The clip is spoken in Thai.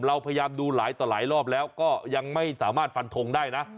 เราพยายามดูหลายต่อหลายรอบแล้วก็ยังไม่สามารถฟันทงได้นะ